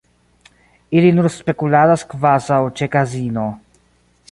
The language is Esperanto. Ili nur spekuladas kvazaŭ ĉe kazino.